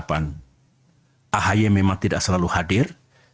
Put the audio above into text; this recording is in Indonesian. ahy memang tidak selalu hadir